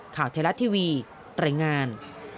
ข่าวเทลัททีวีแรงงาน